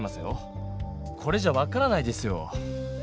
これじゃ分からないですよ。